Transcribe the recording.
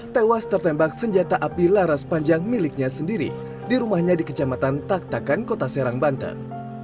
tewas tertembak senjata api laras panjang miliknya sendiri di rumahnya di kecamatan taktakan kota serang banten